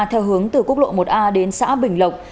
theo hướng từ quốc lộ một a đến xã bình lộc